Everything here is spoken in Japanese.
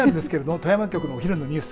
富山局のお昼のニュース